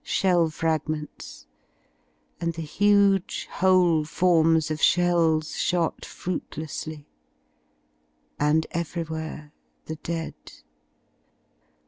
Shell fragments, and the huge whole forms of shells Shot fruitlessly — and everywhere the dead.